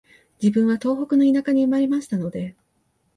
自分は東北の田舎に生まれましたので、